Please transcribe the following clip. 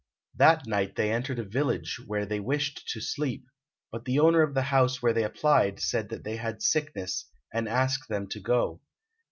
That night they entered a village where they wished to sleep, but the owner of the house where they applied said that they had sickness, and asked them to go.